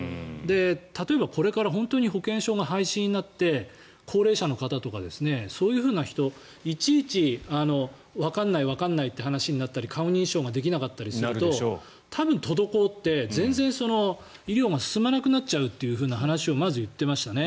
例えばこれから本当に保険証が廃止になって高齢者の方とかそういう人いちいち、わかんないわかんないって話になったり顔認証ができなかったりすると多分、滞って全然医療が進まなくなっちゃうというふうな話をまず言っていましたね。